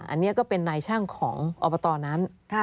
อันนี้ก็เป็นนายช่างของอบตนั้น